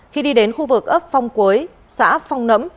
khi đi đến khu vực ấp phong cuối xã phong nẫm